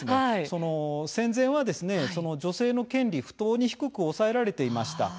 その戦前は、女性の権利不当に低く抑えられていました。